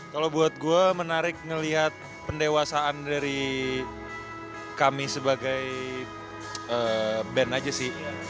kalau buat gue menarik ngeliat pendewasaan dari kami sebagai band aja sih